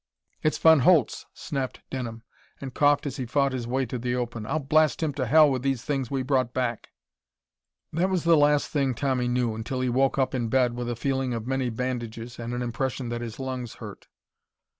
"It's Von Holtz," snapped Denham, and coughed as he fought his way to the open. "I'll blast him to hell with these things we brought back...." That was the last thing Tommy knew until he woke up in bed with a feeling of many bandages and an impression that his lungs hurt.